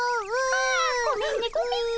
ああごめんねごめんね。